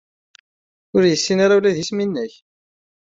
Ur yessin ara ula d isem-nnek.